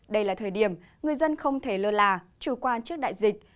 đây là thời điểm người dân không thể lơ là chủ quan trước đại dịch